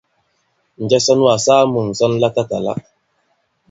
Njɛ sɔ nu kà-saa mu ŋ̀sɔn latatàla?